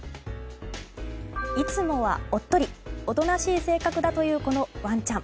いつもはおっとりおとなしい性格だというこのワンちゃん。